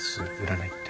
占いって。